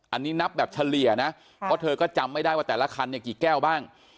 อันนี้นับแบบเฉลี่ยนะเพราะเธอก็จำไม่ได้ว่าแต่ละคันเนี่ยกี่แก้วบ้าง